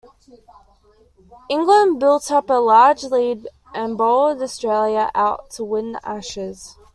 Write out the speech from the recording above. England built up a large lead and bowled Australia out to win the Ashes.